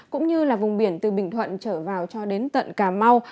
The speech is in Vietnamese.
cũng như là vùng biển từ bình thuận trở vào cho đến tận cà mau